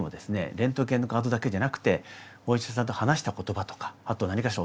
レントゲンの画像だけじゃなくてお医者さんと話した言葉とかあと何かしら音とか。